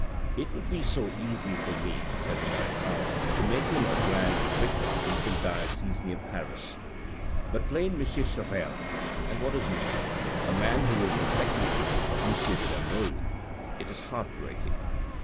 " It would be so easy for me," said the marechale, " to make him a grand vicar in some diocese near Paris ! but plain M. Sorel, and what is more, a man who is the secretary of M. de la Mole ! It is heart breaking."